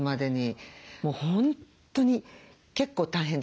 もう本当に結構大変でした。